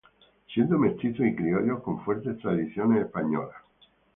Siendo mestizos y criollos con fuertes tradiciones españolas.